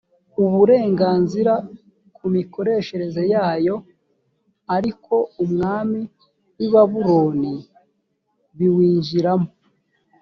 uburenganzira ku mikoreshereze yayo arikoumwami w i babuloni biwinjiramo